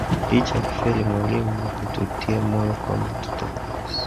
"Licha ya kufeli mwalimu, etutia moyo kwamba tutapasi"